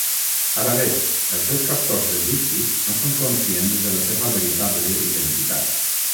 Ara bé, els seus captors egipcis no són conscients de la seva veritable identitat.